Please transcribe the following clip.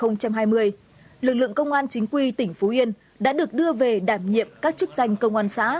ngày sáu tháng một năm hai nghìn hai mươi lực lượng công an chính quy tỉnh phú yên đã được đưa về đảm nhiệm các chức danh công an xã